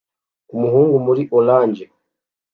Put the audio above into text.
Umuhungu muri orange